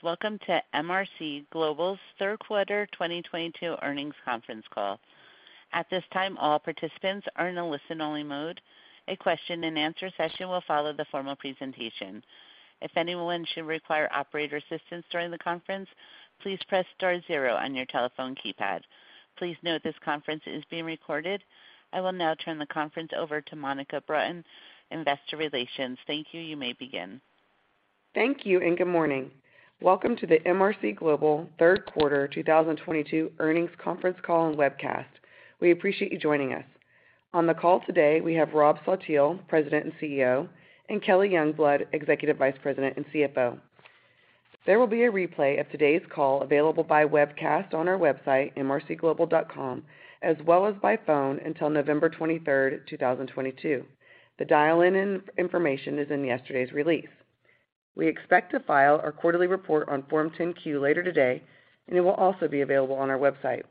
Welcome to MRC Global's third quarter 2022 earnings conference call. At this time, all participants are in a listen-only mode. A question-and-answer session will follow the formal presentation. If anyone should require operator assistance during the conference, please press star zero on your telephone keypad. Please note this conference is being recorded. I will now turn the conference over to Monica Broughton, Investor Relations. Thank you. You may begin. Thank you and good morning. Welcome to the MRC Global Q3 2022 earnings conference call and webcast. We appreciate you joining us. On the call today, we have Rob Saltiel, President and CEO, and Kelly Youngblood, Executive Vice President and CFO. There will be a replay of today's call available by webcast on our website, mrcglobal.com, as well as by phone until November 23, 2022. The dial-in information is in yesterday's release. We expect to file our quarterly report on Form 10-Q later today, and it will also be available on our website.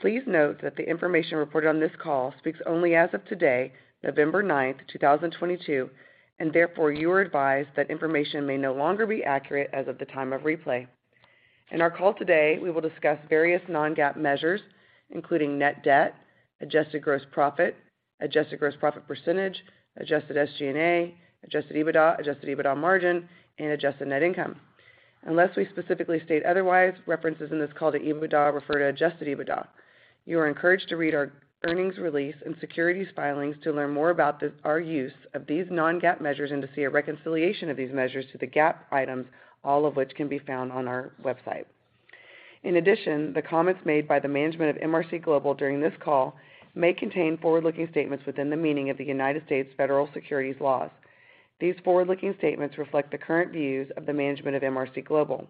Please note that the information reported on this call speaks only as of today, November 9, 2022, and therefore you are advised that information may no longer be accurate as of the time of replay. In our call today, we will discuss various non-GAAP measures, including net debt, adjusted gross profit, adjusted gross profit percentage, adjusted SG&A, adjusted EBITDA, adjusted EBITDA margin, and adjusted net income. Unless we specifically state otherwise, references in this call to EBITDA refer to adjusted EBITDA. You are encouraged to read our earnings release and securities filings to learn more about our use of these non-GAAP measures and to see a reconciliation of these measures to the GAAP items, all of which can be found on our website. In addition, the comments made by the management of MRC Global during this call may contain forward-looking statements within the meaning of the United States federal securities laws. These forward-looking statements reflect the current views of the management of MRC Global.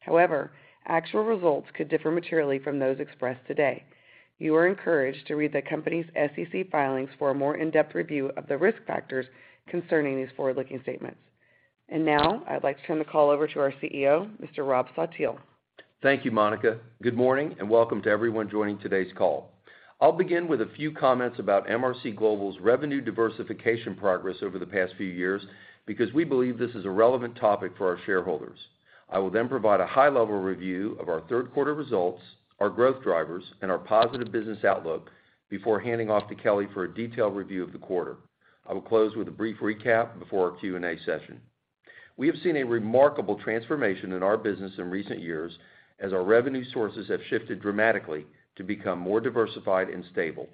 However, actual results could differ materially from those expressed today. You are encouraged to read the company's SEC filings for a more in-depth review of the risk factors concerning these forward-looking statements. Now, I'd like to turn the call over to our CEO, Mr. Rob Saltiel. Thank you, Monica. Good morning, and welcome to everyone joining today's call. I'll begin with a few comments about MRC Global's revenue diversification progress over the past few years because we believe this is a relevant topic for our shareholders. I will then provide a high-level review of our third quarter results, our growth drivers, and our positive business outlook before handing off to Kelly for a detailed review of the quarter. I will close with a brief recap before our Q&A session. We have seen a remarkable transformation in our business in recent years as our revenue sources have shifted dramatically to become more diversified and stable.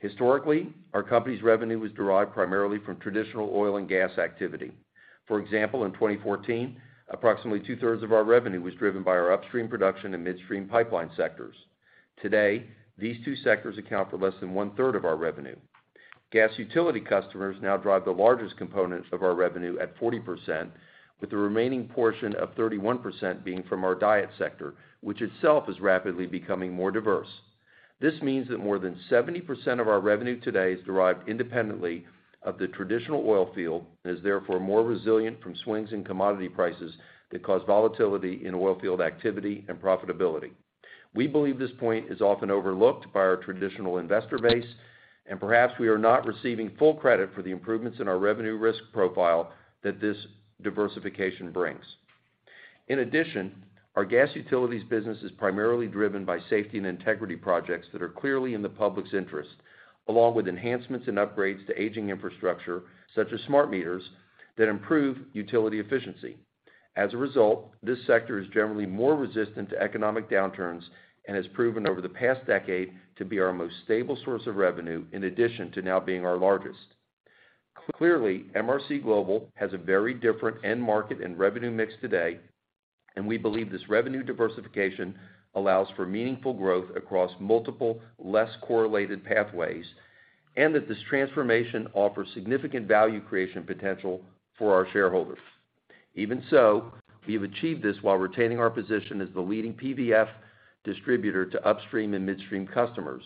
Historically, our company's revenue was derived primarily from traditional oil and gas activity. For example, in 2014, approximately 2/3 of our revenue was driven by our upstream production and midstream pipeline sectors. Today, these two sectors account for less than 1/3 of our revenue. Gas utility customers now drive the largest component of our revenue at 40%, with the remaining portion of 31% being from our DIET sector, which itself is rapidly becoming more diverse. This means that more than 70% of our revenue today is derived independently of the traditional oil field and is therefore more resilient from swings in commodity prices that cause volatility in oil field activity and profitability. We believe this point is often overlooked by our traditional investor base, and perhaps we are not receiving full credit for the improvements in our revenue risk profile that this diversification brings. In addition, our gas utilities business is primarily driven by safety and integrity projects that are clearly in the public's interest, along with enhancements and upgrades to aging infrastructure, such as smart meters that improve utility efficiency. As a result, this sector is generally more resistant to economic downturns and has proven over the past decade to be our most stable source of revenue, in addition to now being our largest. Clearly, MRC Global has a very different end market and revenue mix today, and we believe this revenue diversification allows for meaningful growth across multiple, less correlated pathways, and that this transformation offers significant value creation potential for our shareholders. Even so, we have achieved this while retaining our position as the leading PVF distributor to upstream and midstream customers.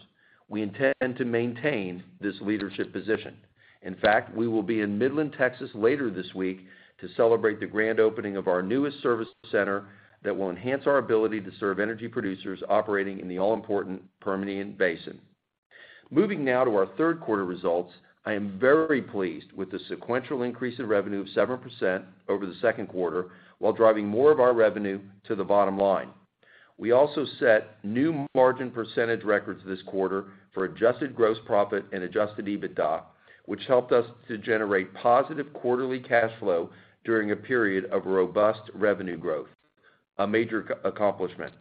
We intend to maintain this leadership position. In fact, we will be in Midland, Texas, later this week to celebrate the grand opening of our newest service center that will enhance our ability to serve energy producers operating in the all-important Permian Basin. Moving now to our third quarter results, I am very pleased with the sequential increase in revenue of 7% over the second quarter while driving more of our revenue to the bottom line. We also set new margin percentage records this quarter for Adjusted Gross Profit and adjusted EBITDA, which helped us to generate positive quarterly cash flow during a period of robust revenue growth, a major accomplishment.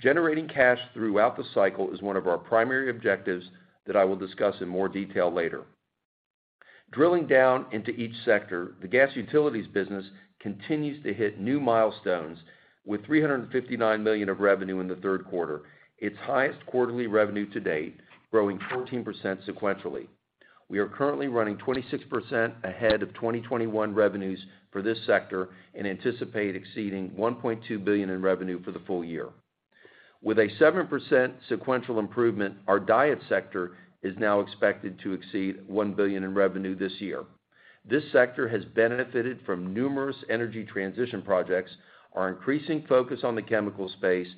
Generating cash throughout the cycle is one of our primary objectives that I will discuss in more detail later. Drilling down into each sector, the gas utilities business continues to hit new milestones with $359 million of revenue in the third quarter, its highest quarterly revenue to date, growing 14% sequentially. We are currently running 26% ahead of 2021 revenues for this sector and anticipate exceeding $1.2 billion in revenue for the full year. With a 7% sequential improvement, our DIET sector is now expected to exceed $1 billion in revenue this year. This sector has benefited from numerous energy transition projects, our increasing focus on the chemical space,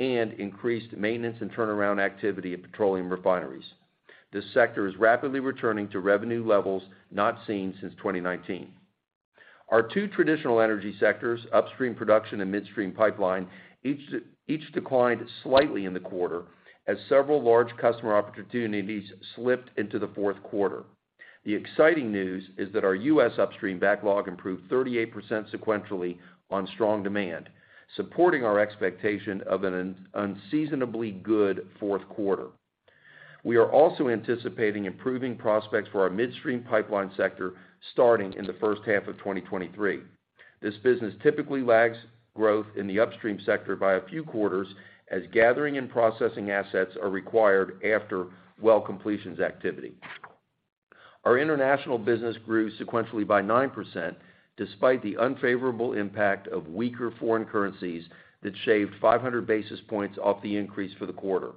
and increased maintenance and turnaround activity at petroleum refineries. This sector is rapidly returning to revenue levels not seen since 2019. Our two traditional energy sectors, upstream production and midstream pipeline, each declined slightly in the quarter as several large customer opportunities slipped into the fourth quarter. The exciting news is that our U.S. upstream backlog improved 38% sequentially on strong demand, supporting our expectation of an unseasonably good fourth quarter. We are also anticipating improving prospects for our midstream pipeline sector starting in the first half of 2023. This business typically lags growth in the upstream sector by a few quarters as gathering and processing assets are required after well completions activity. Our international business grew sequentially by 9% despite the unfavorable impact of weaker foreign currencies that shaved 500 basis points off the increase for the quarter.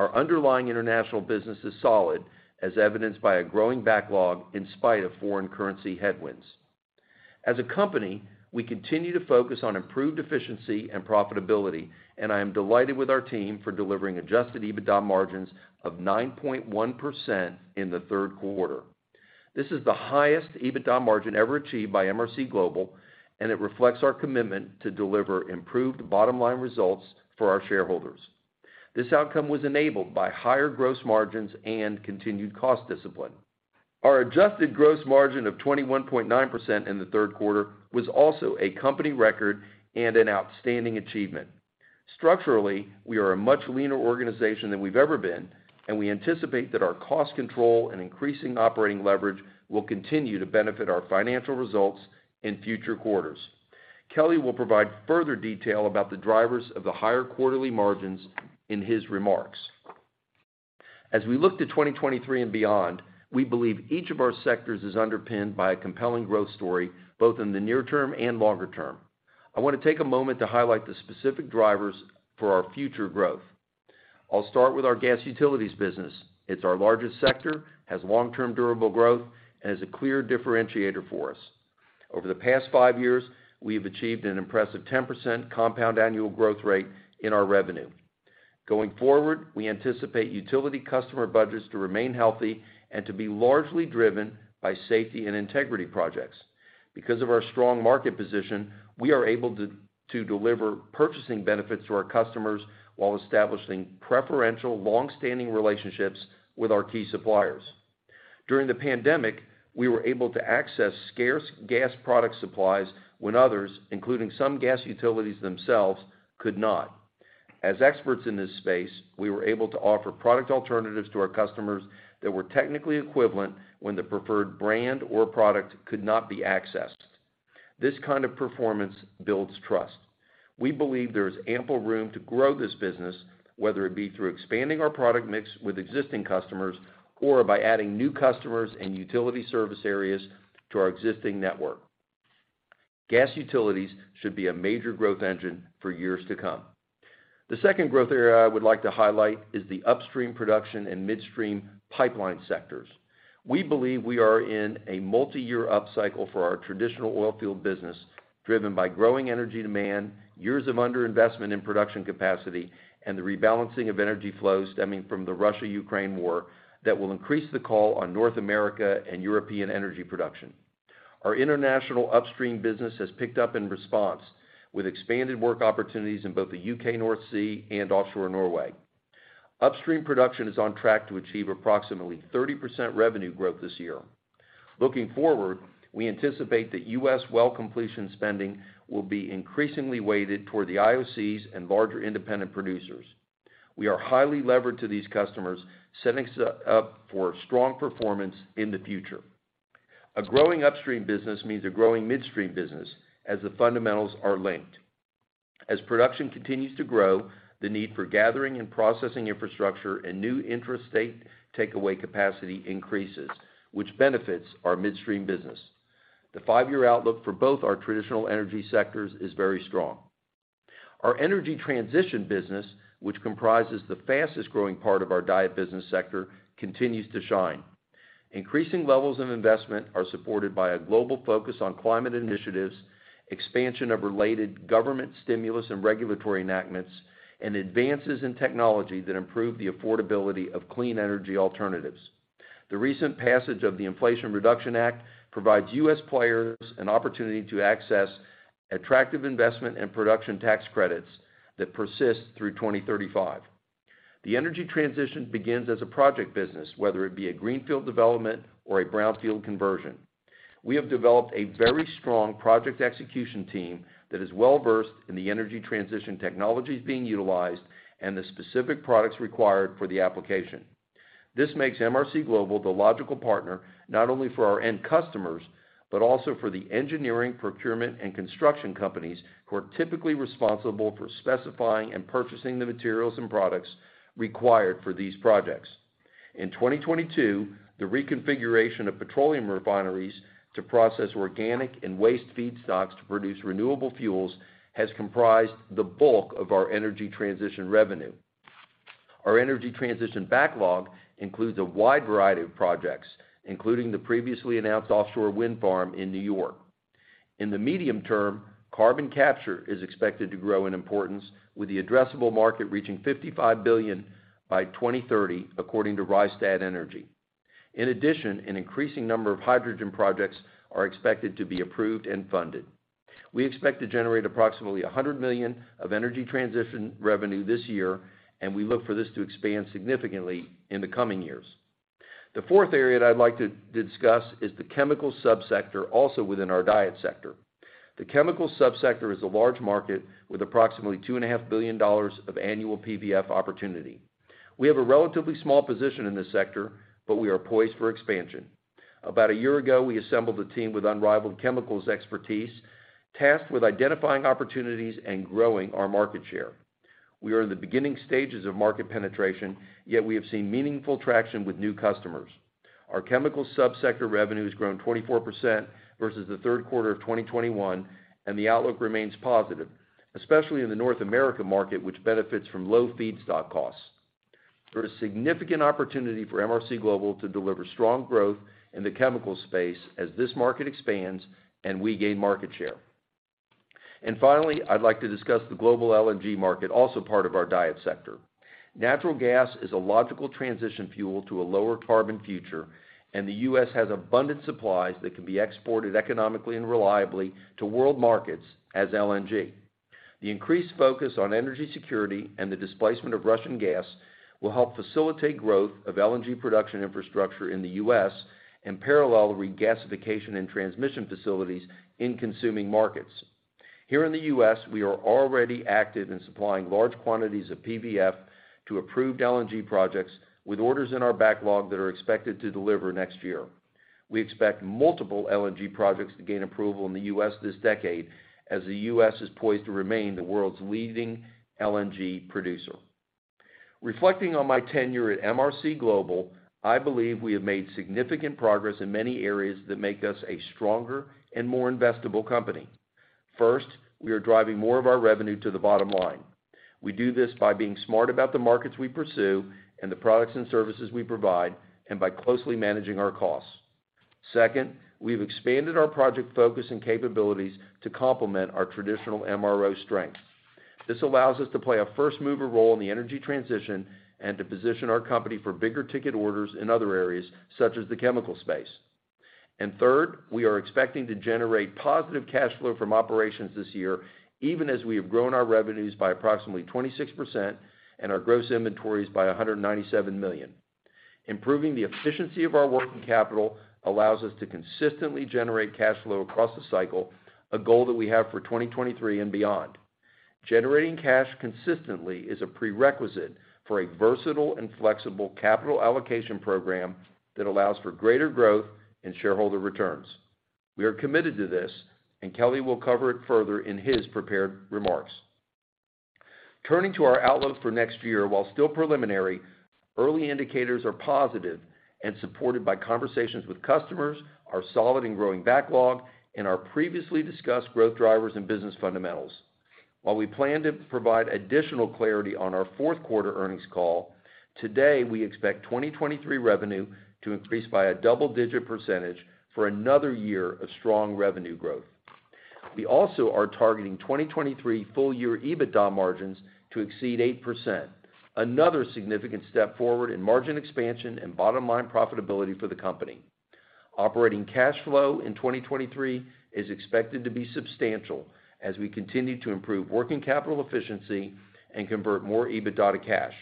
Our underlying international business is solid, as evidenced by a growing backlog in spite of foreign currency headwinds. As a company, we continue to focus on improved efficiency and profitability, and I am delighted with our team for delivering adjusted EBITDA margins of 9.1% in the third quarter. This is the highest EBITDA margin ever achieved by MRC Global, and it reflects our commitment to deliver improved bottom-line results for our shareholders. This outcome was enabled by higher gross margins and continued cost discipline. Our adjusted gross margin of 21.9% in the third quarter was also a company record and an outstanding achievement. Structurally, we are a much leaner organization than we've ever been, and we anticipate that our cost control and increasing operating leverage will continue to benefit our financial results in future quarters. Kelly will provide further detail about the drivers of the higher quarterly margins in his remarks. As we look to 2023 and beyond, we believe each of our sectors is underpinned by a compelling growth story, both in the near term and longer term. I wanna take a moment to highlight the specific drivers for our future growth. I'll start with our gas utilities business. It's our largest sector, has long-term durable growth, and is a clear differentiator for us. Over the past five years, we have achieved an impressive 10% compound annual growth rate in our revenue. Going forward, we anticipate utility customer budgets to remain healthy and to be largely driven by safety and integrity projects. Because of our strong market position, we are able to deliver purchasing benefits to our customers while establishing preferential longstanding relationships with our key suppliers. During the pandemic, we were able to access scarce gas product supplies when others, including some gas utilities themselves, could not. As experts in this space, we were able to offer product alternatives to our customers that were technically equivalent when the preferred brand or product could not be accessed. This kind of performance builds trust. We believe there is ample room to grow this business, whether it be through expanding our product mix with existing customers or by adding new customers and utility service areas to our existing network. Gas utilities should be a major growth engine for years to come. The second growth area I would like to highlight is the upstream production and midstream pipeline sectors. We believe we are in a multiyear upcycle for our traditional oil field business, driven by growing energy demand, years of underinvestment in production capacity, and the rebalancing of energy flow stemming from the Russia-Ukrainian War that will increase the call on North America and European energy production. Our international upstream business has picked up in response, with expanded work opportunities in both the U.K. North Sea and offshore Norway. Upstream production is on track to achieve approximately 30% revenue growth this year. Looking forward, we anticipate that U.S. well completion spending will be increasingly weighted toward the IOCs and larger independent producers. We are highly levered to these customers, setting up for strong performance in the future. A growing upstream business means a growing midstream business, as the fundamentals are linked. As production continues to grow, the need for gathering and processing infrastructure and new intrastate takeaway capacity increases, which benefits our midstream business. The five-year outlook for both our traditional energy sectors is very strong. Our energy transition business, which comprises the fastest-growing part of our DIET business sector, continues to shine. Increasing levels of investment are supported by a global focus on climate initiatives, expansion of related government stimulus and regulatory enactments, and advances in technology that improve the affordability of clean energy alternatives. The recent passage of the Inflation Reduction Act provides U.S. players an opportunity to access attractive investment and production tax credits that persist through 2035. The energy transition begins as a project business, whether it be a greenfield development or a brownfield conversion. We have developed a very strong project execution team that is well-versed in the energy transition technologies being utilized and the specific products required for the application. This makes MRC Global the logical partner, not only for our end customers, but also for the engineering, procurement, and construction companies who are typically responsible for specifying and purchasing the materials and products required for these projects. In 2022, the reconfiguration of petroleum refineries to process organic and waste feedstocks to produce renewable fuels has comprised the bulk of our energy transition revenue. Our energy transition backlog includes a wide variety of projects, including the previously announced offshore wind farm in New York. In the medium term, carbon capture is expected to grow in importance with the addressable market reaching $55 billion by 2030 according to Rystad Energy. In addition, an increasing number of hydrogen projects are expected to be approved and funded. We expect to generate approximately $100 million of energy transition revenue this year, and we look for this to expand significantly in the coming years. The fourth area that I'd like to discuss is the chemical sub-sector also within our DIET sector. The chemical sub-sector is a large market with approximately $2.5 billion of annual PVF opportunity. We have a relatively small position in this sector, but we are poised for expansion. About a year ago, we assembled a team with unrivaled chemicals expertise, tasked with identifying opportunities and growing our market share. We are in the beginning stages of market penetration, yet we have seen meaningful traction with new customers. Our chemical sub-sector revenue has grown 24% versus the third quarter of 2021, and the outlook remains positive, especially in the North America market, which benefits from low feedstock costs. There is significant opportunity for MRC Global to deliver strong growth in the chemical space as this market expands and we gain market share. Finally, I'd like to discuss the global LNG market, also part of our DIET sector. Natural gas is a logical transition fuel to a lower carbon future, and the U.S. has abundant supplies that can be exported economically and reliably to world markets as LNG. The increased focus on energy security and the displacement of Russian gas will help facilitate growth of LNG production infrastructure in the U.S., and parallel the regasification and transmission facilities in consuming markets. Here in the U.S., we are already active in supplying large quantities of PVF to approved LNG projects with orders in our backlog that are expected to deliver next year. We expect multiple LNG projects to gain approval in the U.S. this decade as the U.S. is poised to remain the world's leading LNG producer. Reflecting on my tenure at MRC Global, I believe we have made significant progress in many areas that make us a stronger and more investable company. First, we are driving more of our revenue to the bottom line. We do this by being smart about the markets we pursue and the products and services we provide, and by closely managing our costs. Second, we've expanded our project focus and capabilities to complement our traditional MRO strength. This allows us to play a first-mover role in the energy transition and to position our company for bigger ticket orders in other areas such as the chemical space. Third, we are expecting to generate positive cash flow from operations this year, even as we have grown our revenues by approximately 26% and our gross inventories by $197 million. Improving the efficiency of our working capital allows us to consistently generate cash flow across the cycle, a goal that we have for 2023 and beyond. Generating cash consistently is a prerequisite for a versatile and flexible capital allocation program that allows for greater growth and shareholder returns. We are committed to this, and Kelly will cover it further in his prepared remarks. Turning to our outlook for next year, while still preliminary, early indicators are positive and supported by conversations with customers, our solid and growing backlog, and our previously discussed growth drivers and business fundamentals. While we plan to provide additional clarity on our fourth quarter earnings call, today, we expect 2023 revenue to increase by a double-digit % for another year of strong revenue growth. We also are targeting 2023 full year EBITDA margins to exceed 8%. Another significant step forward in margin expansion and bottom line profitability for the company. Operating cash flow in 2023 is expected to be substantial as we continue to improve working capital efficiency and convert more EBITDA to cash.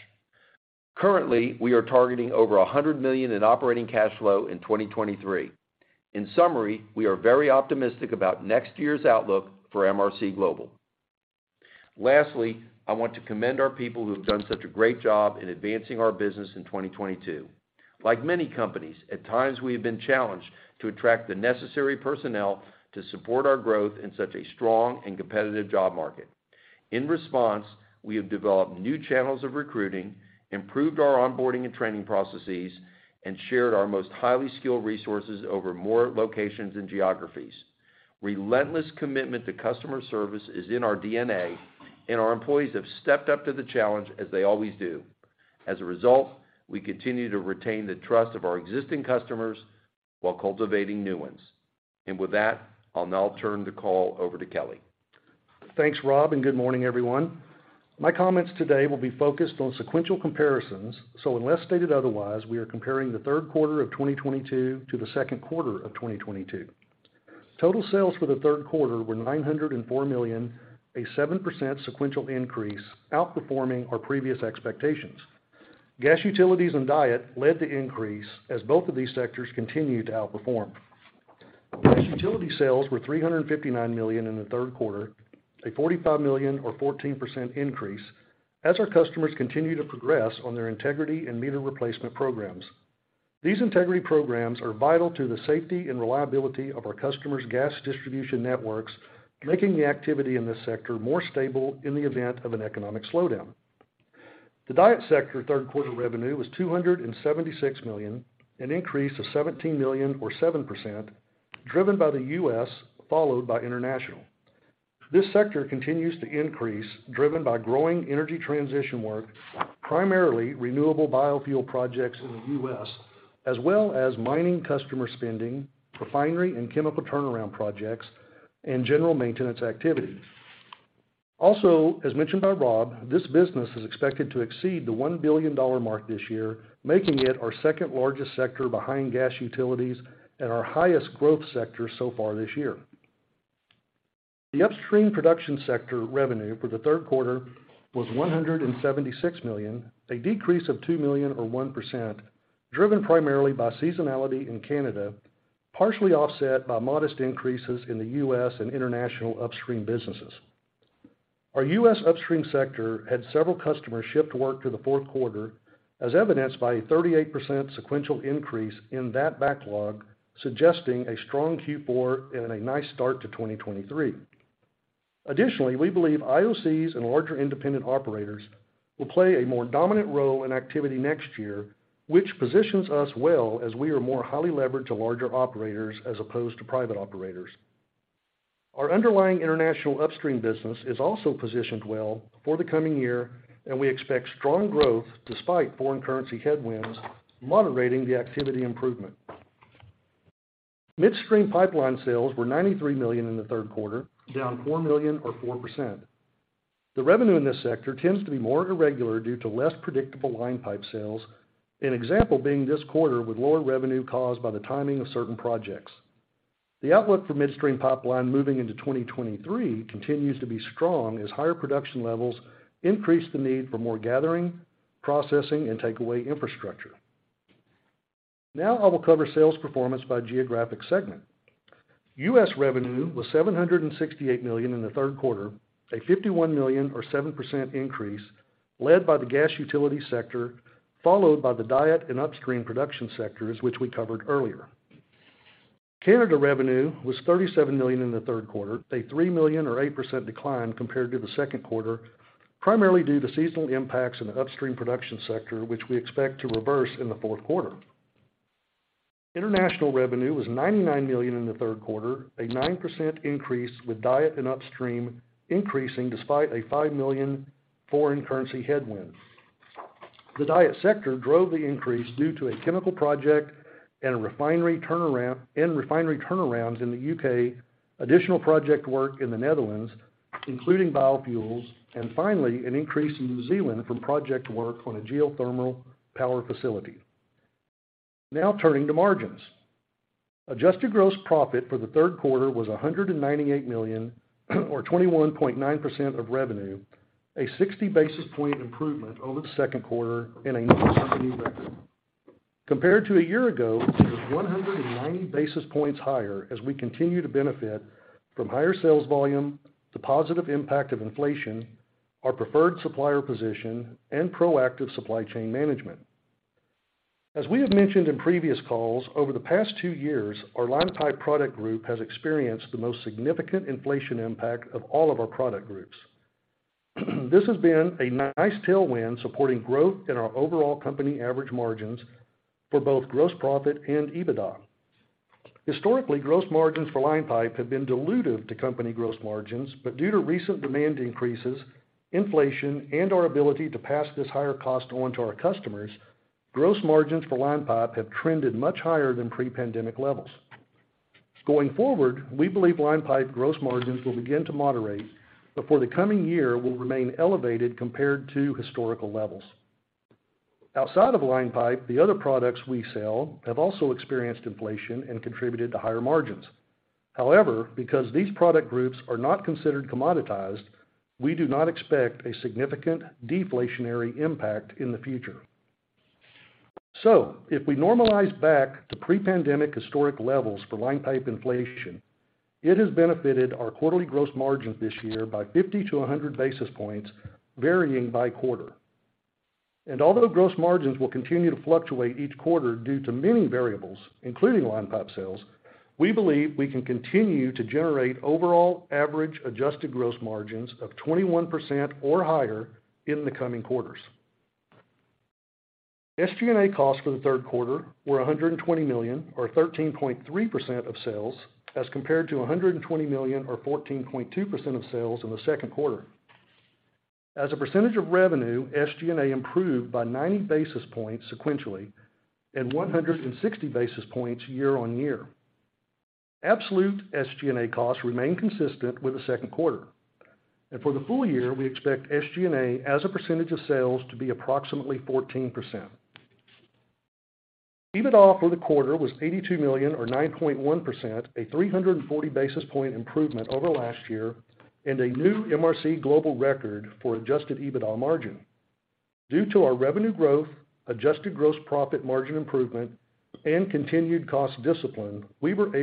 Currently, we are targeting over $100 million in operating cash flow in 2023. In summary, we are very optimistic about next year's outlook for MRC Global. Lastly, I want to commend our people who have done such a great job in advancing our business in 2022. Like many companies, at times, we have been challenged to attract the necessary personnel to support our growth in such a strong and competitive job market. In response, we have developed new channels of recruiting, improved our onboarding and training processes, and shared our most highly skilled resources over more locations and geographies. Relentless commitment to customer service is in our DNA, and our employees have stepped up to the challenge as they always do. As a result, we continue to retain the trust of our existing customers while cultivating new ones. With that, I'll now turn the call over to Kelly. Thanks, Rob, and good morning, everyone. My comments today will be focused on sequential comparisons, so unless stated otherwise, we are comparing the third quarter of 2022 to the second quarter of 2022. Total sales for the third quarter were $904 million, a 7% sequential increase, outperforming our previous expectations. Gas Utilities and DIET led the increase as both of these sectors continued to outperform. Gas utility sales were $359 million in the third quarter, a $45 million or 14% increase, as our customers continue to progress on their integrity and meter replacement programs. These integrity programs are vital to the safety and reliability of our customers' gas distribution networks, making the activity in this sector more stable in the event of an economic slowdown. The DIET sector third quarter revenue was $276 million, an increase of $17 million or 7%, driven by the U.S., followed by international. This sector continues to increase, driven by growing energy transition work, primarily renewable biofuel projects in the U.S., as well as mining customer spending, refinery and chemical turnaround projects, and general maintenance activity. Also, as mentioned by Rob, this business is expected to exceed the $1 billion mark this year, making it our second-largest sector behind gas utilities and our highest growth sector so far this year. The upstream production sector revenue for the third quarter was $176 million, a decrease of $2 million or 1%, driven primarily by seasonality in Canada, partially offset by modest increases in the U.S. and international upstream businesses. Our U.S. upstream sector had several customers shift work to the fourth quarter, as evidenced by a 38% sequential increase in that backlog, suggesting a strong Q4 and a nice start to 2023. Additionally, we believe IOCs and larger independent operators will play a more dominant role in activity next year, which positions us well as we are more highly leveraged to larger operators as opposed to private operators. Our underlying international upstream business is also positioned well for the coming year, and we expect strong growth despite foreign currency headwinds, moderating the activity improvement. Midstream pipeline sales were $93 million in the third quarter, down $4 million or 4%. The revenue in this sector tends to be more irregular due to less predictable line pipe sales, an example being this quarter with lower revenue caused by the timing of certain projects. The outlook for midstream pipeline moving into 2023 continues to be strong as higher production levels increase the need for more gathering, processing, and takeaway infrastructure. Now I will cover sales performance by geographic segment. U.S. revenue was $768 million in the third quarter, a $51 million or 7% increase led by the gas utility sector, followed by the DIET and upstream production sectors, which we covered earlier. Canada revenue was $37 million in the third quarter, a $3 million or 8% decline compared to the second quarter, primarily due to seasonal impacts in the upstream production sector, which we expect to reverse in the fourth quarter. International revenue was $99 million in the third quarter, a 9% increase, with DIET and upstream increasing despite a $5 million foreign currency headwind. The DIET sector drove the increase due to a chemical project and refinery turnaround, and refinery turnarounds in the U.K., additional project work in the Netherlands, including biofuels, and finally, an increase in New Zealand from project work on a geothermal power facility. Now turning to margins. Adjusted gross profit for the third quarter was $198 million or 21.9% of revenue, a 60 basis point improvement over the second quarter and a new company record. Compared to a year ago, it was 190 basis points higher as we continue to benefit from higher sales volume, the positive impact of inflation, our preferred supplier position, and proactive supply chain management. As we have mentioned in previous calls, over the past two years, our line pipe product group has experienced the most significant inflation impact of all of our product groups. This has been a nice tailwind supporting growth in our overall company average margins for both gross profit and EBITDA. Historically, gross margins for line pipe have been dilutive to company gross margins, but due to recent demand increases, inflation, and our ability to pass this higher cost on to our customers, gross margins for line pipe have trended much higher than pre-pandemic levels. Going forward, we believe line pipe gross margins will begin to moderate, but for the coming year will remain elevated compared to historical levels. Outside of line pipe, the other products we sell have also experienced inflation and contributed to higher margins. However, because these product groups are not considered commoditized, we do not expect a significant deflationary impact in the future. If we normalize back to pre-pandemic historic levels for line pipe inflation, it has benefited our quarterly gross margins this year by 50-100 basis points, varying by quarter. Although gross margins will continue to fluctuate each quarter due to many variables, including line pipe sales, we believe we can continue to generate overall average adjusted gross margins of 21% or higher in the coming quarters. SG&A costs for the third quarter were $120 million or 13.3% of sales as compared to $120 million or 14.2% of sales in the second quarter. As a percentage of revenue, SG&A improved by 90 basis points sequentially and 160 basis points year-on-year. Absolute SG&A costs remain consistent with the second quarter. For the full year, we expect SG&A as a percentage of sales to be approximately 14%. EBITDA for the quarter was $82 million or 9.1%, a 340 basis point improvement over last year and a new MRC Global record for adjusted EBITDA margin. Due to our revenue growth, Adjusted Gross Profit margin improvement, and continued cost discipline, we were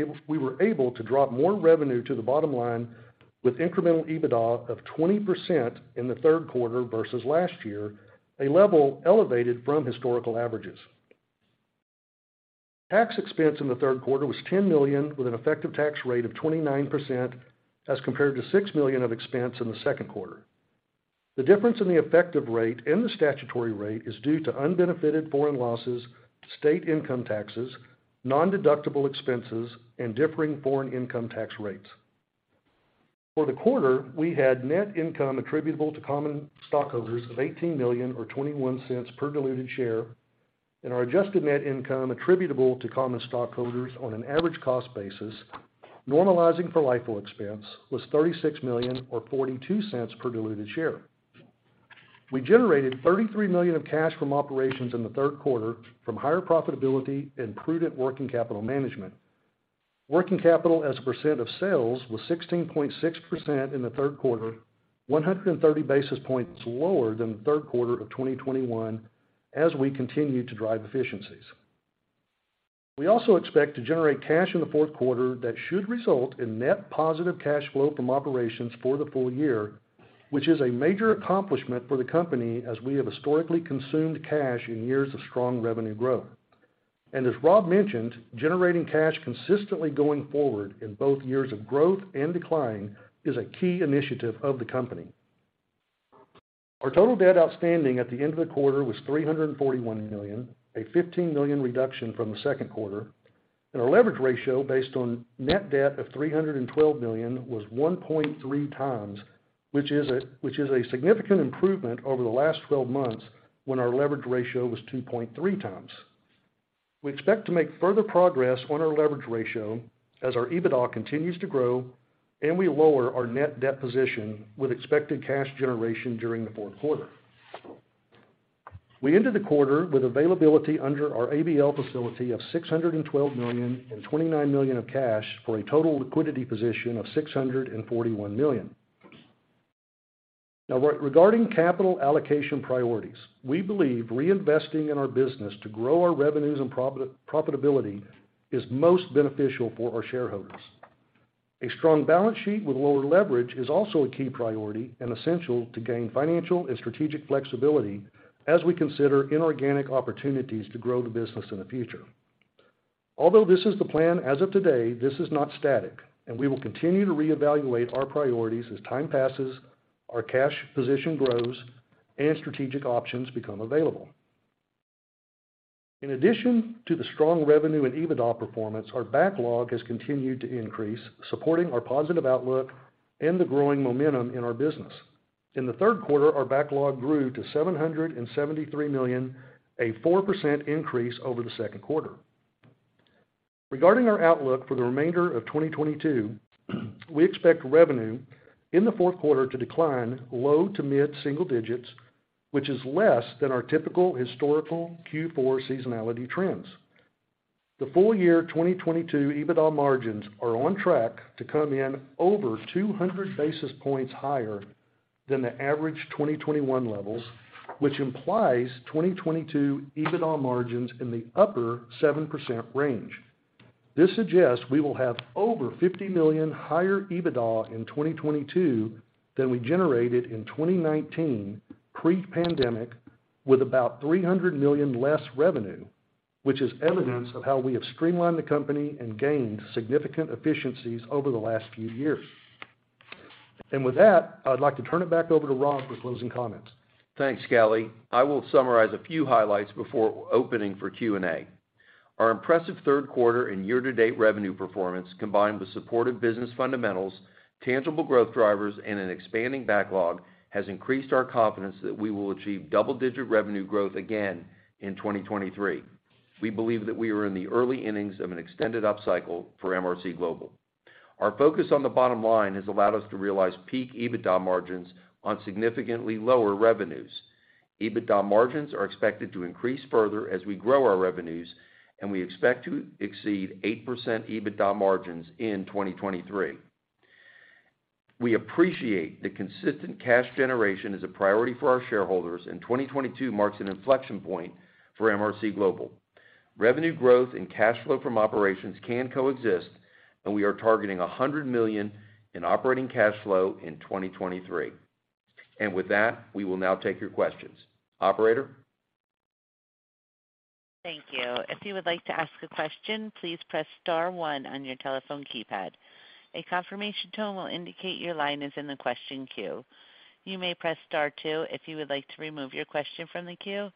able to drop more revenue to the bottom line with incremental EBITDA of 20% in the third quarter versus last year, a level elevated from historical averages. Tax expense in the third quarter was $10 million with an effective tax rate of 29% as compared to $6 million of expense in the second quarter. The difference in the effective rate and the statutory rate is due to unbenefited foreign losses, state income taxes, nondeductible expenses, and differing foreign income tax rates. For the quarter, we had net income attributable to common stockholders of $18 million or $0.21 per diluted share, and our adjusted net income attributable to common stockholders on an average cost basis, normalizing for LIFO expense, was $36 million or $0.42 per diluted share. We generated $33 million of cash from operations in the third quarter from higher profitability and prudent working capital management. Working capital as a percent of sales was 16.6% in the third quarter, 130 basis points lower than the third quarter of 2021 as we continue to drive efficiencies. We also expect to generate cash in the fourth quarter that should result in net positive cash flow from operations for the full year, which is a major accomplishment for the company as we have historically consumed cash in years of strong revenue growth. As Rob mentioned, generating cash consistently going forward in both years of growth and decline is a key initiative of the company. Our total debt outstanding at the end of the quarter was $341 million, a $15 million reduction from the second quarter, and our leverage ratio based on Net Debt of $312 million was 1.3x, which is a significant improvement over the last twelve months when our leverage ratio was 2.3x. We expect to make further progress on our leverage ratio as our EBITDA continues to grow and we lower our Net Debt position with expected cash generation during the fourth quarter. We ended the quarter with availability under our ABL facility of $612 million and $29 million of cash for a total liquidity position of $641 million. Now, regarding capital allocation priorities, we believe reinvesting in our business to grow our revenues and profitability is most beneficial for our shareholders. A strong balance sheet with lower leverage is also a key priority and essential to gain financial and strategic flexibility as we consider inorganic opportunities to grow the business in the future. Although this is the plan as of today, this is not static, and we will continue to reevaluate our priorities as time passes, our cash position grows, and strategic options become available. In addition to the strong revenue and EBITDA performance, our backlog has continued to increase, supporting our positive outlook and the growing momentum in our business. In the third quarter, our backlog grew to $773 million, a 4% increase over the second quarter. Regarding our outlook for the remainder of 2022, we expect revenue in the fourth quarter to decline low- to mid-single digits, which is less than our typical historical Q4 seasonality trends. The full-year 2022 EBITDA margins are on track to come in over 200 basis points higher than the average 2021 levels, which implies 2022 EBITDA margins in the upper 7% range. This suggests we will have over $50 million higher EBITDA in 2022 than we generated in 2019 pre-pandemic, with about $300 million less revenue, which is evidence of how we have streamlined the company and gained significant efficiencies over the last few years. With that, I would like to turn it back over to Rob for closing comments. Thanks, Kelly. I will summarize a few highlights before opening for Q&A. Our impressive third quarter and year-to-date revenue performance, combined with supportive business fundamentals, tangible growth drivers, and an expanding backlog, has increased our confidence that we will achieve double-digit revenue growth again in 2023. We believe that we are in the early innings of an extended upcycle for MRC Global. Our focus on the bottom line has allowed us to realize peak EBITDA margins on significantly lower revenues. EBITDA margins are expected to increase further as we grow our revenues, and we expect to exceed 8% EBITDA margins in 2023. We appreciate that consistent cash generation is a priority for our shareholders, and 2022 marks an inflection point for MRC Global. Revenue growth and cash flow from operations can coexist, and we are targeting $100 million in operating cash flow in 2023. With that, we will now take your questions. Operator? Thank you. If you would like to ask a question, please press star one on your telephone keypad. A confirmation tone will indicate your line is in the question queue. You may press star two if you would like to remove your question from the queue.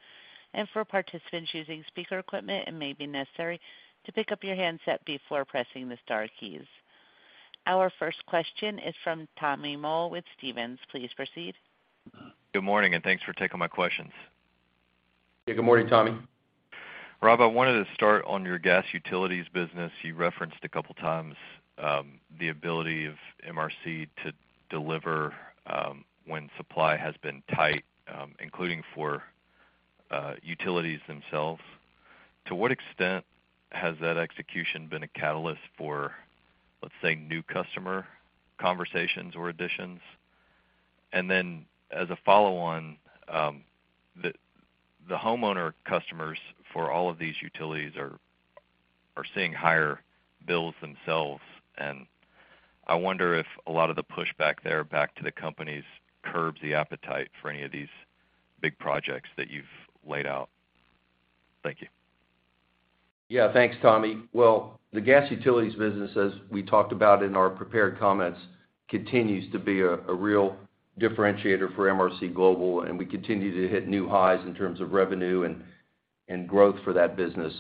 For participants using speaker equipment, it may be necessary to pick up your handset before pressing the star keys. Our first question is from Tommy Moll with Stephens. Please proceed. Good morning, and thanks for taking my questions. Good morning, Tommy. Rob, I wanted to start on your gas utilities business. You referenced a couple times the ability of MRC to deliver when supply has been tight, including for utilities themselves. To what extent has that execution been a catalyst for, let's say, new customer conversations or additions? As a follow-on, the homeowner customers for all of these utilities are seeing higher bills themselves, and I wonder if a lot of the pushback there back to the companies curbs the appetite for any of these big projects that you've laid out. Thank you. Yeah. Thanks, Tommy. Well, the gas utilities business, as we talked about in our prepared comments, continues to be a real differentiator for MRC Global, and we continue to hit new highs in terms of revenue and growth for that business.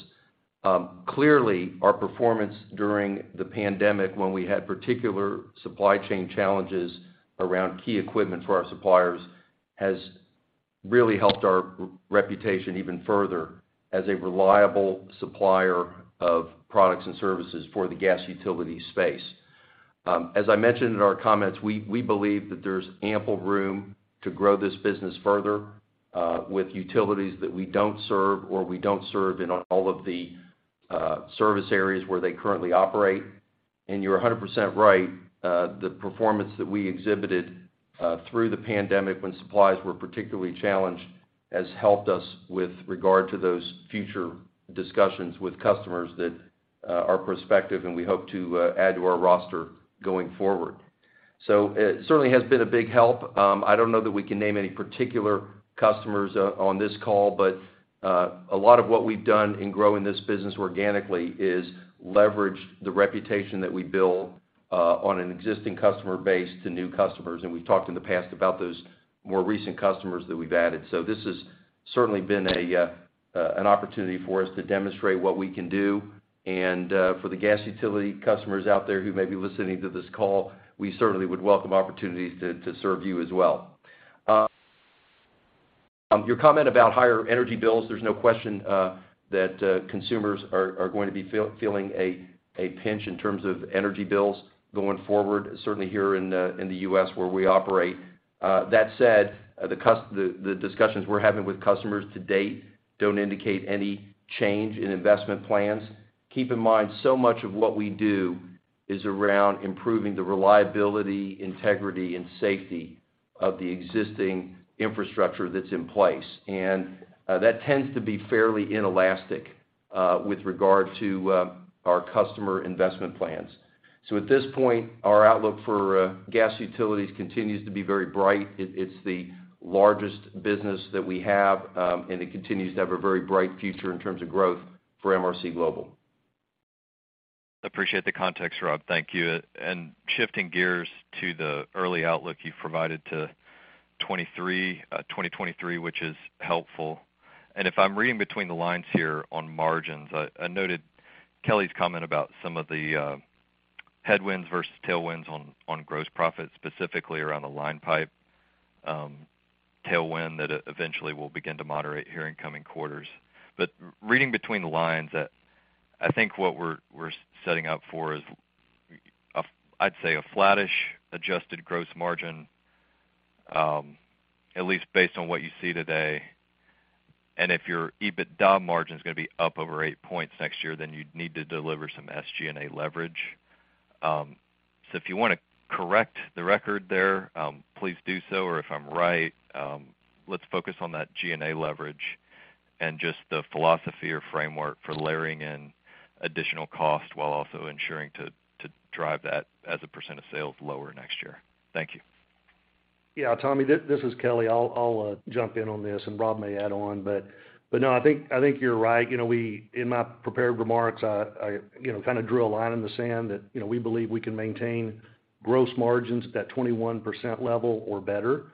Clearly, our performance during the pandemic when we had particular supply chain challenges around key equipment for our suppliers has really helped our reputation even further as a reliable supplier of products and services for the gas utility space. As I mentioned in our comments, we believe that there's ample room to grow this business further, with utilities that we don't serve or we don't serve in all of the service areas where they currently operate. You're 100% right, the performance that we exhibited through the pandemic when supplies were particularly challenged has helped us with regard to those future discussions with customers that are prospective and we hope to add to our roster going forward. It certainly has been a big help. I don't know that we can name any particular customers on this call, but a lot of what we've done in growing this business organically is leverage the reputation that we build on an existing customer base to new customers. We've talked in the past about those more recent customers that we've added. This has certainly been an opportunity for us to demonstrate what we can do. For the gas utility customers out there who may be listening to this call, we certainly would welcome opportunities to serve you as well. Your comment about higher energy bills, there's no question that consumers are going to be feeling a pinch in terms of energy bills going forward, certainly here in the U.S. where we operate. That said, the discussions we're having with customers to date don't indicate any change in investment plans. Keep in mind, so much of what we do is around improving the reliability, integrity, and safety of the existing infrastructure that's in place. That tends to be fairly inelastic with regard to our customer investment plans. At this point, our outlook for gas utilities continues to be very bright. It's the largest business that we have, and it continues to have a very bright future in terms of growth for MRC Global. Appreciate the context, Rob. Thank you. Shifting gears to the early outlook you've provided to 2023, which is helpful. If I'm reading between the lines here on margins, I noted Kelly's comment about some of the headwinds versus tailwinds on gross profits, specifically around the line pipe tailwind that eventually will begin to moderate here in coming quarters. Reading between the lines that I think what we're setting up for is I'd say a flattish adjusted gross margin, at least based on what you see today. If your EBITDA margin is gonna be up over 8 points next year, then you'd need to deliver some SG&A leverage. If you wanna correct the record there, please do so. If I'm right, let's focus on that SG&A leverage and just the philosophy or framework for layering in additional cost while also ensuring to drive that as a percent of sales lower next year. Thank you. Yeah. Tommy, this is Kelly. I'll jump in on this and Rob may add on. No, I think you're right. You know, in my prepared remarks, I you know, kind of drew a line in the sand that, you know, we believe we can maintain gross margins at that 21% level or better.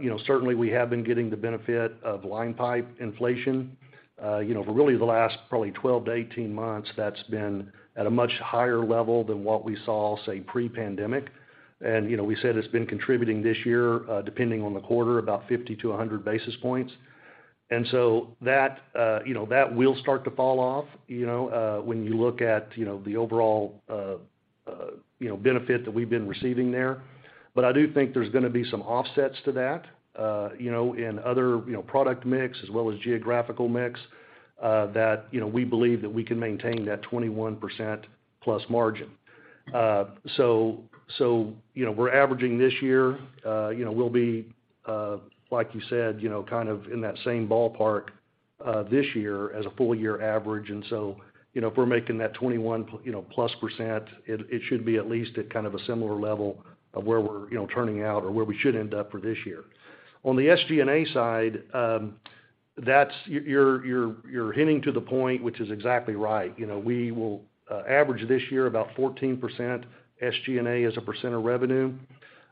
You know, certainly we have been getting the benefit of line pipe inflation. You know, for really the last probably 12-18 months, that's been at a much higher level than what we saw, say, pre-pandemic. You know, we said it's been contributing this year, depending on the quarter, about 50-100 basis points. That will start to fall off, you know, when you look at, you know, the overall, you know, benefit that we've been receiving there. But I do think there's gonna be some offsets to that, you know, in other, you know, product mix as well as geographical mix, that, you know, we believe that we can maintain that 21%+ margin. So, you know, we're averaging this year, you know, we'll be, like you said, you know, kind of in that same ballpark, this year as a full year average. You know, if we're making that 21%+, it should be at least at kind of a similar level of where we're, you know, turning out or where we should end up for this year. On the SG&A side, that's you're hinting to the point, which is exactly right. You know, we will average this year about 14% SG&A as a percent of revenue.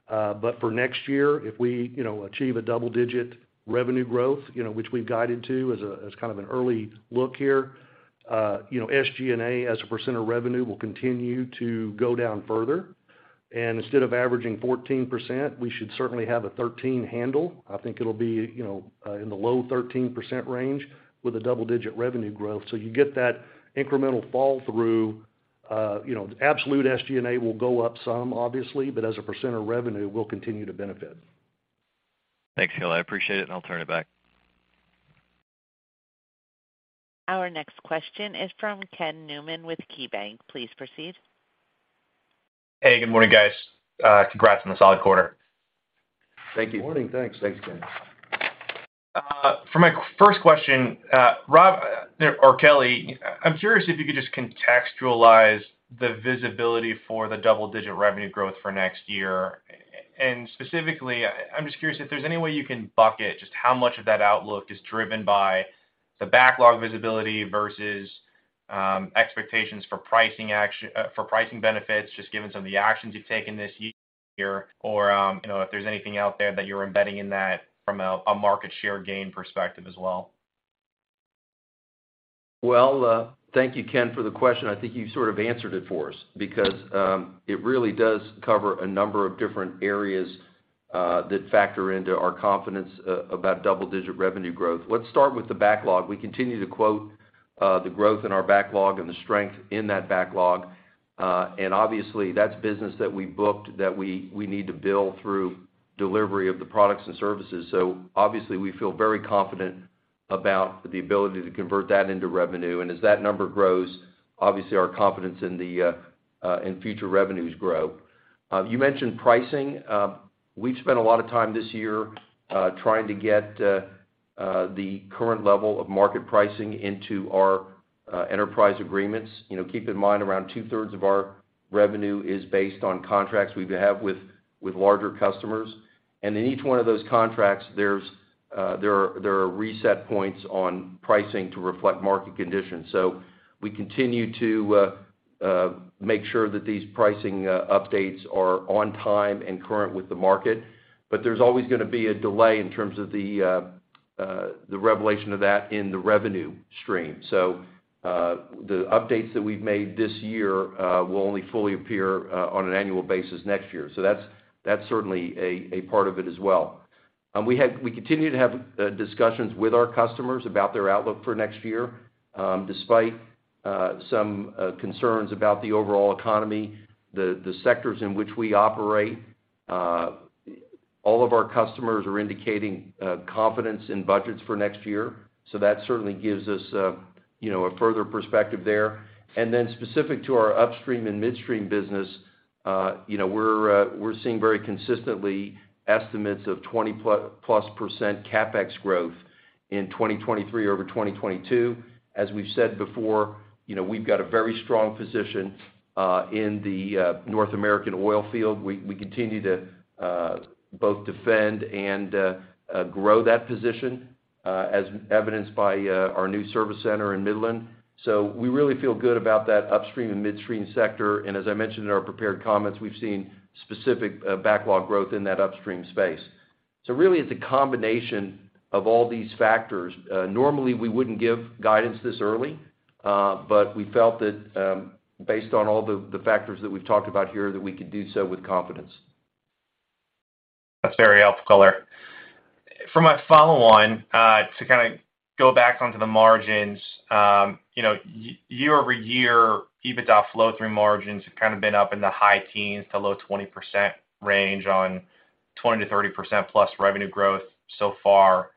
For next year, if we, you know, achieve a double-digit revenue growth, you know, which we've guided to as kind of an early look here, you know, SG&A as a percent of revenue will continue to go down further. Instead of averaging 14%, we should certainly have a 13 handle. I think it'll be, you know, in the low 13% range with a double-digit revenue growth. You get that incremental fall through. You know, absolute SG&A will go up some obviously, but as a percent of revenue, we'll continue to benefit. Thanks, Kelly. I appreciate it, and I'll turn it back. Our next question is from Ken Newman with KeyBanc. Please proceed. Hey, good morning, guys. Congrats on the solid quarter. Thank you. Good morning. Thanks. Thanks, Ken. For my first question, Rob, or Kelly, I'm curious if you could just contextualize the visibility for the double-digit revenue growth for next year. Specifically, I'm just curious if there's any way you can bucket just how much of that outlook is driven by the backlog visibility versus expectations for pricing benefits, just given some of the actions you've taken this year, or, you know, if there's anything out there that you're embedding in that from a market share gain perspective as well. Well, thank you, Ken, for the question. I think you sort of answered it for us because it really does cover a number of different areas that factor into our confidence about double-digit revenue growth. Let's start with the backlog. We continue to quote the growth in our backlog and the strength in that backlog. Obviously, that's business that we booked that we need to build through delivery of the products and services. Obviously, we feel very confident about the ability to convert that into revenue. As that number grows, obviously, our confidence in the future revenues grow. You mentioned pricing. We've spent a lot of time this year trying to get the current level of market pricing into our enterprise agreements. You know, keep in mind, around two-thirds of our revenue is based on contracts we have with larger customers. In each one of those contracts, there are reset points on pricing to reflect market conditions. We continue to make sure that these pricing updates are on time and current with the market. There's always gonna be a delay in terms of the revelation of that in the revenue stream. The updates that we've made this year will only fully appear on an annual basis next year. That's certainly a part of it as well. We continue to have discussions with our customers about their outlook for next year. Despite some concerns about the overall economy, the sectors in which we operate, all of our customers are indicating confidence in budgets for next year. That certainly gives us, you know, a further perspective there. Then specific to our upstream and midstream business, you know, we're seeing very consistently estimates of 20%+ CapEx growth in 2023 over 2022. As we've said before, you know, we've got a very strong position in the North American oil field. We continue to both defend and grow that position, as evidenced by our new service center in Midland. We really feel good about that upstream and midstream sector. As I mentioned in our prepared comments, we've seen specific backlog growth in that upstream space. Really it's a combination of all these factors. Normally, we wouldn't give guidance this early, but we felt that, based on all the factors that we've talked about here, that we could do so with confidence. That's very helpful, color. For my follow-on, to kinda go back onto the margins, you know, year-over-year, EBITDA flow-through margins have kind of been up in the high teens to low 20% range on 20%-30%+ revenue growth so far.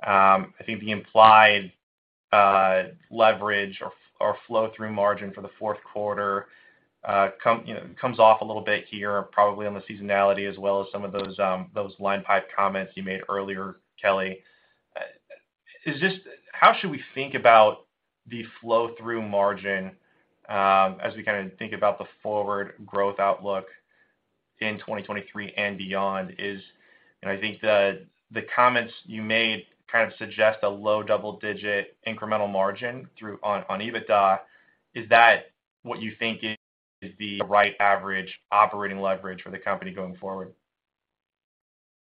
I think the implied leverage or flow-through margin for the fourth quarter comes off a little bit here, probably on the seasonality as well as some of those line pipe comments you made earlier, Kelly. How should we think about the flow-through margin, as we kinda think about the forward growth outlook in 2023 and beyond? I think the comments you made kind of suggest a low double-digit incremental margin through on EBITDA. Is that what you think is the right average operating leverage for the company going forward?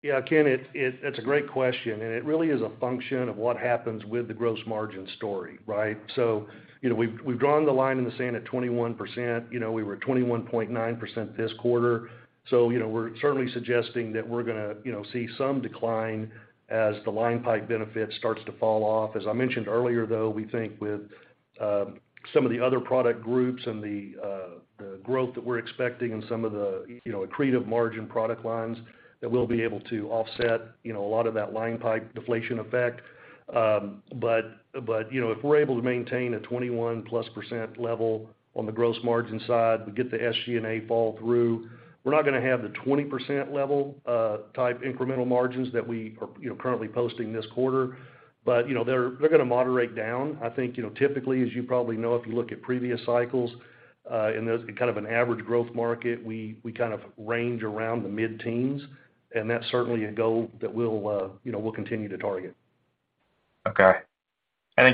Yeah, Ken, it's a great question, and it really is a function of what happens with the gross margin story, right? You know, we've drawn the line in the sand at 21%. You know, we were at 21.9% this quarter. You know, we're certainly suggesting that we're gonna see some decline as the line pipe benefit starts to fall off. As I mentioned earlier, though, we think with some of the other product groups and the growth that we're expecting in some of the, you know, accretive margin product lines, that we'll be able to offset, you know, a lot of that line pipe deflation effect. You know, if we're able to maintain a 21%+ level on the gross margin side, we get the SG&A fall through. We're not gonna have the 20% level type incremental margins that we are, you know, currently posting this quarter. You know, they're gonna moderate down. I think, you know, typically, as you probably know, if you look at previous cycles, in those kind of an average growth market, we kind of range around the mid-teens, and that's certainly a goal that we'll, you know, we'll continue to target. Okay.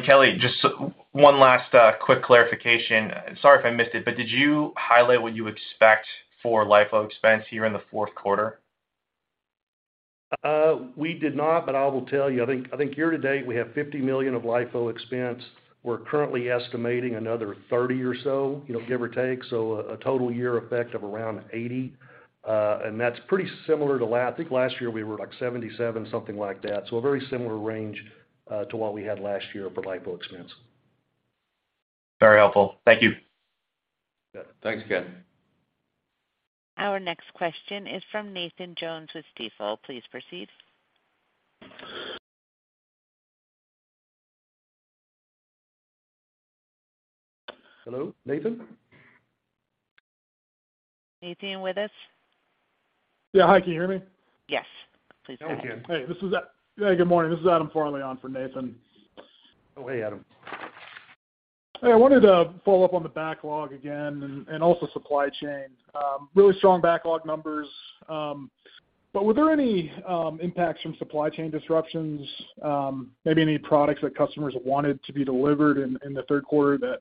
Kelly, just one last, quick clarification. Sorry if I missed it, but did you highlight what you expect for LIFO expense here in the fourth quarter? We did not, but I will tell you. I think year to date, we have $50 million of LIFO expense. We're currently estimating another $30 million or so, you know, give or take. A total year effect of around $80 million. And that's pretty similar to last year. I think last year we were like $77 million, something like that. A very similar range to what we had last year for LIFO expense. Very helpful. Thank you. Yeah. Thanks, Ken. Our next question is from Nathan Jones with Stifel. Please proceed. Hello, Nathan? Nathan, you with us? Yeah. Hi, can you hear me? Yes. Please go ahead. Hey, Ken. Good morning. This is Adam Farley on for Nathan. Oh, hey, Adam. Hey, I wanted to follow up on the backlog again and also supply chain. Really strong backlog numbers, but were there any impacts from supply chain disruptions, maybe any products that customers wanted to be delivered in the third quarter that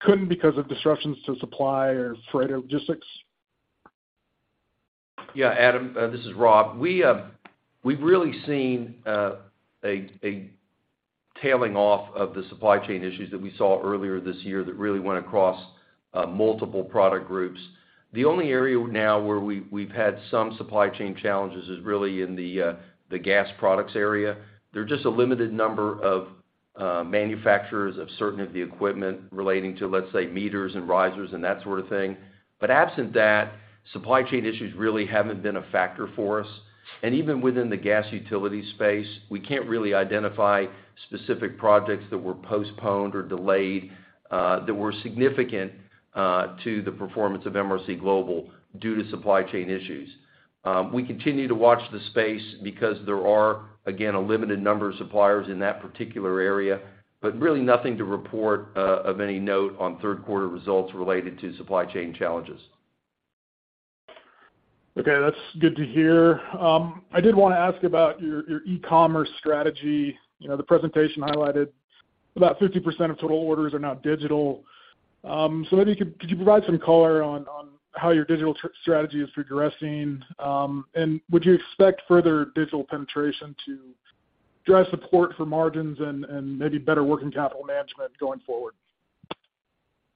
couldn't because of disruptions to supply or freight or logistics? Yeah, Adam, this is Rob. We've really seen a tailing off of the supply chain issues that we saw earlier this year that really went across multiple product groups. The only area now where we've had some supply chain challenges is really in the gas products area. There are just a limited number of manufacturers of certain of the equipment relating to, let's say, meters and risers and that sort of thing. But absent that, supply chain issues really haven't been a factor for us. Even within the gas utility space, we can't really identify specific projects that were postponed or delayed that were significant to the performance of MRC Global due to supply chain issues. We continue to watch the space because there are, again, a limited number of suppliers in that particular area, but really nothing to report of any note on third quarter results related to supply chain challenges. Okay. That's good to hear. I did wanna ask about your e-commerce strategy. You know, the presentation highlighted about 50% of total orders are now digital. Maybe could you provide some color on how your digital strategy is progressing? Would you expect further digital penetration to drive support for margins and maybe better working capital management going forward?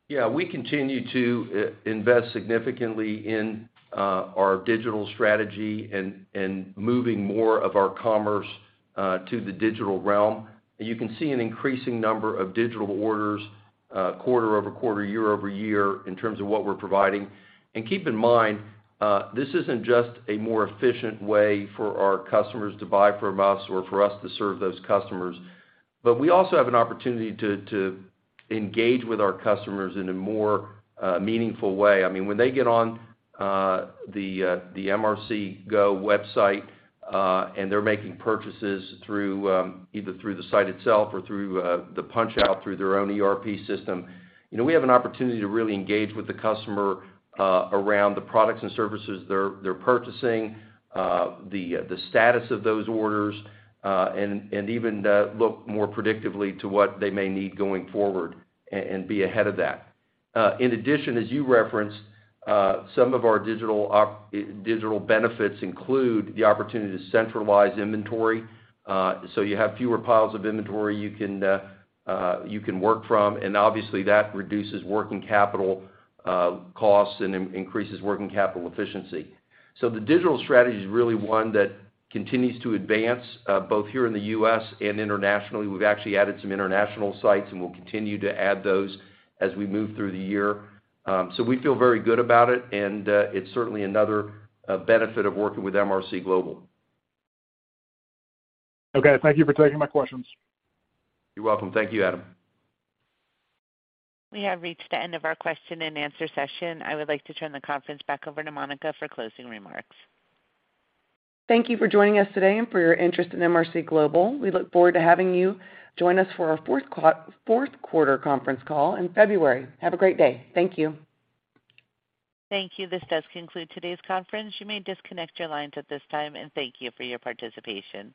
Yeah, we continue to invest significantly in our digital strategy and moving more of our commerce to the digital realm. You can see an increasing number of digital orders, quarter-over-quarter, year-over-year in terms of what we're providing. Keep in mind, this isn't just a more efficient way for our customers to buy from us or for us to serve those customers, but we also have an opportunity to engage with our customers in a more meaningful way. I mean, when they get on the MRC Global website and they're making purchases through either through the site itself or through the punch out through their own ERP system, you know, we have an opportunity to really engage with the customer around the products and services they're purchasing, the status of those orders, and even look more predictively to what they may need going forward and be ahead of that. In addition, as you referenced, some of our digital benefits include the opportunity to centralize inventory, so you have fewer piles of inventory you can work from, and obviously, that reduces working capital costs and increases working capital efficiency. The digital strategy is really one that continues to advance, both here in the U.S. and internationally. We've actually added some international sites, and we'll continue to add those as we move through the year. We feel very good about it, and it's certainly another benefit of working with MRC Global. Okay. Thank you for taking my questions. You're welcome. Thank you, Adam. We have reached the end of our question-and-answer session. I would like to turn the conference back over to Monica for closing remarks. Thank you for joining us today and for your interest in MRC Global. We look forward to having you join us for our fourth quarter conference call in February. Have a great day. Thank you. Thank you. This does conclude today's conference. You may disconnect your lines at this time, and thank you for your participation.